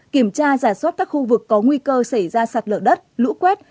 kiểm tra giả soát các khu vực có nguy cơ xảy ra sạt lở đất lũ quét